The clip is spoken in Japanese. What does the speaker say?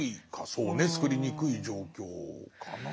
そうねつくりにくい状況かな。